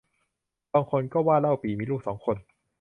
บางคนก็ว่าเล่าปี่มีลูกสองคน